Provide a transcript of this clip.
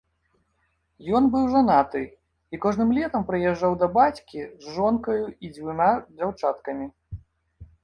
Ён быў жанаты і кожным летам прыязджаў да бацькі з жонкаю і дзвюма дзяўчаткамі.